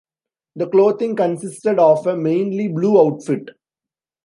The clothing consisted of a mainly blue outfit.